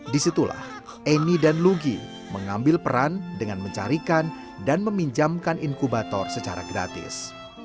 disitulah eni dan lugi mengambil peran dengan mencarikan dan meminjamkan inkubator secara gratis